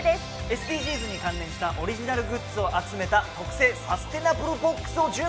ＳＤＧｓに関連したオリジナルグッズを集めた特製サステナブル・ボックスを１０名さまにプレゼント。